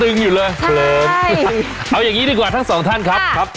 เอาอย่างนี้ดีกว่าทั้งสองท่านครับ